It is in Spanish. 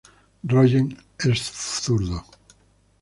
Rogen es zurdo.